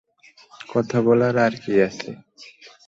কথা বলার আর কী আছে?